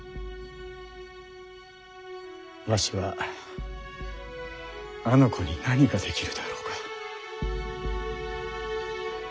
わしはあの子に何ができるであろうか。